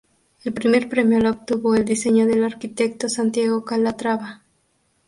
El primer premio lo obtuvo el diseño del arquitecto Santiago Calatrava.